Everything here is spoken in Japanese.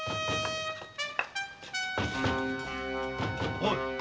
・おい